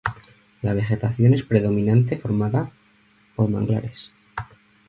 La vegetación es predominantemente formada por manglares.